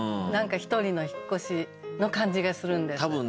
何か一人の引っ越しの感じがするんです。